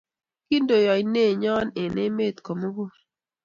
kinto oinet nyo eng' emet ko mugul